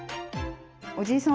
おじいさん